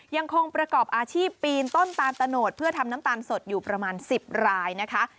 ยังคงประกอบอาชีพปีนต้นตาลตะโนดเพื่อทำน้ำตาลสดอยู่ประมาณ๑๐รายนะคะ